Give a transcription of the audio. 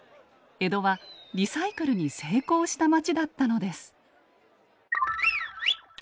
江戸はリサイクルに成功した街だったのです。